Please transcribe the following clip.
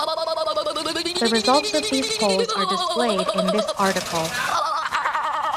The results of these polls are displayed in this article.